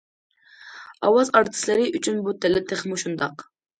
ئاۋاز ئارتىسلىرى ئۈچۈن بۇ تەلەپ تېخىمۇ شۇنداق.